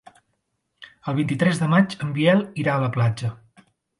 El vint-i-tres de maig en Biel irà a la platja.